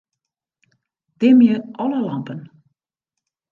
Dimje alle lampen.